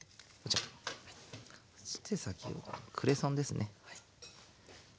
そして先ほどのクレソンですね。